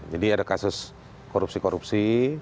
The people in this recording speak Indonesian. jadi ada kasus korupsi korupsi